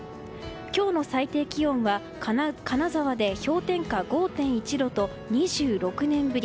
今日の最低気温は金沢で氷点下５．１度と２６年ぶり。